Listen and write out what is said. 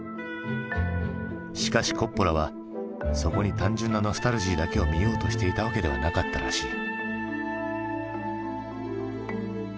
しかしコッポラはそこに単純なノスタルジーだけを見ようとしていたわけではなかったらしい。